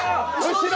後ろ？